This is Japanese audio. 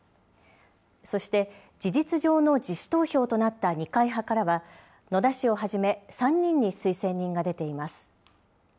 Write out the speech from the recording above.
そして事実上の自主投票となった二階派からは、野田氏をはじめ、３人に推薦人が出ています。